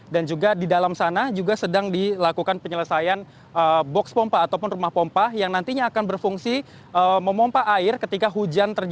dan juga di dalam sana juga sedang dilakukan penyelesaian box pompa ataupun rumah pompa yang nantinya akan berfungsi memompa air ketika hujan